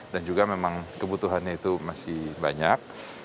dan juga memang kebutuhannya itu masih banyak